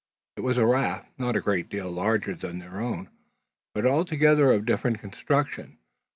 It was a raft, not a great deal larger than their own, but altogether of different construction.